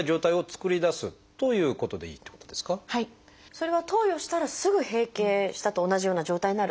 それは投与したらすぐ「閉経した」と同じような状態になるってことですか？